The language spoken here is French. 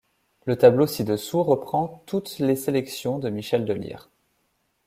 Le tableau ci-dessous reprend toutes les sélections de Michel Delire.